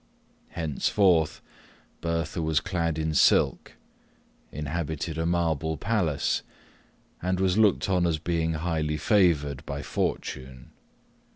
Henceforth Bertha was clad in silk inhabited a marble palace and was looked on as being highly favoured by fortune.